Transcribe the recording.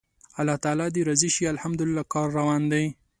الله تعالی دې راضي شي، الحمدلله کار روان دی.